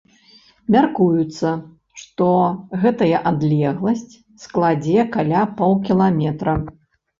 Мяркуецца, што гэтая адлегласць складзе каля паўкіламетра.